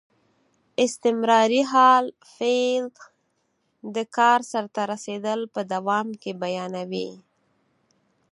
استمراري حال فعل د کار سرته رسېدل په دوام کې بیانیوي.